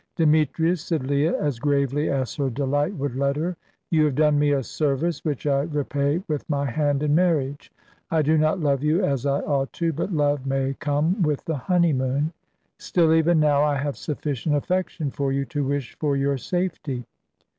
"Demetrius," said Leah, as gravely as her delight would let her, "you have done me a service, which I repay with my hand in marriage. I do not love you as I ought to, but love may come with the honeymoon. Still, even now, I have sufficient affection for you to wish for your safety.